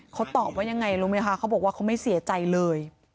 เขาตอบว่ายังไงรู้ไหมคะเขาบอกว่าเขาไม่เสียใจเลย